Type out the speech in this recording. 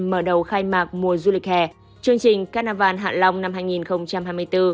mở đầu khai mạc mùa du lịch hè chương trình carnival hạ long năm hai nghìn hai mươi bốn